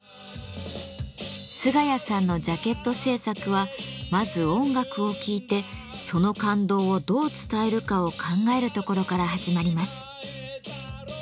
菅谷さんのジャケット制作はまず音楽を聴いてその感動をどう伝えるかを考えるところから始まります。